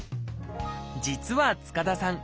実は塚田さん